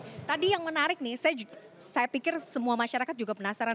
oke tadi yang menarik nih saya pikir semua masyarakat juga penasaran